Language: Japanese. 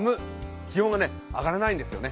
気温が上がらないんですよね。